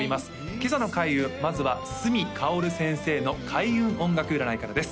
今朝の開運まずは角かおる先生の開運音楽占いからです